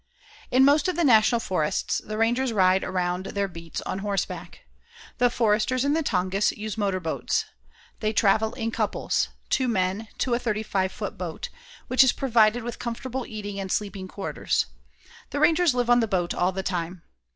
In most of the National Forests the rangers ride around their beats on horseback. The foresters in the Tongass use motor boats. They travel in couples; two men to a 35 foot boat, which is provided with comfortable eating and sleeping quarters. The rangers live on the boat all the time.